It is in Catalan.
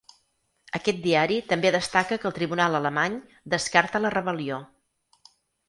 Aquest diari també destaca que el tribunal alemany descarta la rebel·lió.